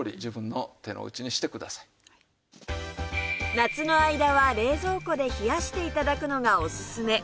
夏の間は冷蔵庫で冷やして頂くのがおすすめ